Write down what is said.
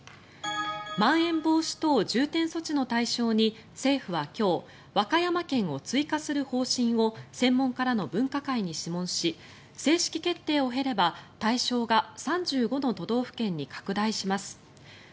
まん延防止等重点措置の対象に政府は今日和歌山県を追加する方針を専門家らの分科会に諮問し正式決定を経れば対象が３５の都道府県に拡大します。